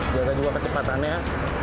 jaga juga kecepatannya